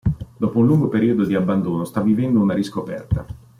Dopo un lungo periodo di abbandono sta vivendo una riscoperta.